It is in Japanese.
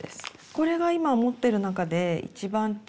これが今持ってる中で一番小さいです。